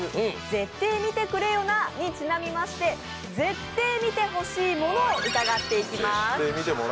「ぜってぇ、見てくれよな！」にちなみましてぜってぇ見てほしいものを伺っていきます。